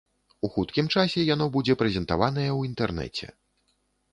У хуткім часе яно будзе прэзентаванае ў інтэрнэце.